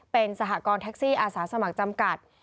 เป็นสหกรณ์แท็กซี่อาสาสมัครจำกัด